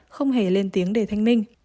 không hề lên tiếng để thanh minh